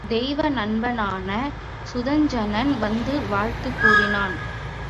தெய்வ நண்பனான சுதஞ்சணன் வந்து வாழ்த்துக் கூறினான்.